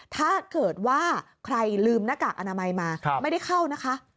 ถ้าเกิดว่าใครลืมหน้ากากอนามัยมาไม่ได้เข้านะคะ